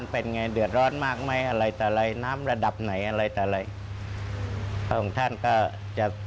อพระมณ์หาภัยเฝอภัย